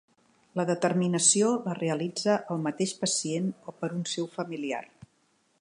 La determinació la realitza el mateix pacient o per un seu familiar.